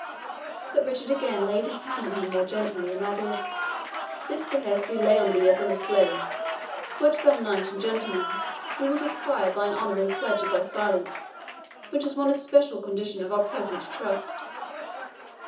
But Richard again laid his hand on him more gently, and added, "This behest we lay on thee as on a slave. Wert thou knight and gentleman, we would require thine honour in pledge of thy silence, which is one especial condition of our present trust."